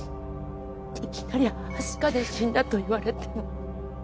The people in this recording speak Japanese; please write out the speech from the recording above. いきなりはしかで死んだと言われても。